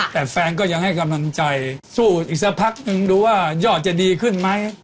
แต่แฟนก็ยังให้กำลังใจสู้อีกสักพักนึงดูว่ายอดจะดีขึ้นไหม